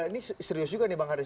ini serius juga nih bang haris